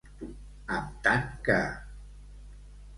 Amb tant que.